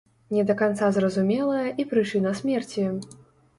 Не да канца зразумелая і прычына смерці.